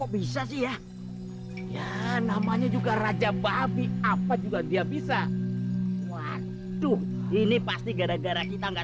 bisa sih ya ya namanya juga raja babi apa juga dia bisa waduh ini pasti gara gara kita enggak